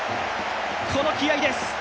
この気合いです。